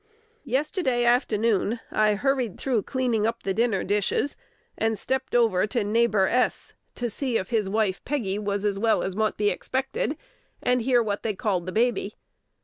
Yesterday afternoon I hurried through cleaning up the dinner dishes, and stepped over to Neighbor S , to see if his wife Peggy was as well as mought be expected, and hear what they called the baby.